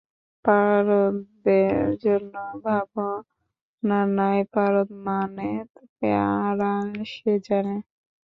পারদের জন্য ভাবনা নাই-পারদ মানে পারা সে জানে।